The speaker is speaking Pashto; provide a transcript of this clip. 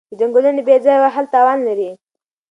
د ځنګلونو بې ځایه وهل تاوان لري.